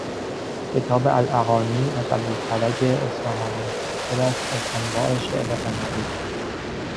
کتاب الاغانی از ابوالفرج اصفهانی پر است از انواع شعر غنایی